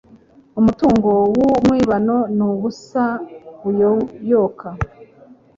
Umutungo w’umwibano ni ubusa buyoyoka